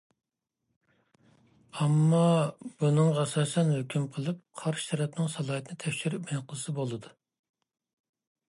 ئامما بۇنىڭغا ئاساسەن ھۆكۈم قىلىپ، قارشى تەرەپنىڭ سالاھىيىتىنى تەكشۈرۈپ ئېنىقلىسا بولىدۇ.